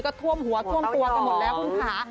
ก็ท่วมหัวท่วมตัวกันหมดแล้วคุณค่ะ